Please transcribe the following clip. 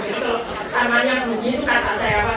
jadi kalau armanya buji itu kata saya apa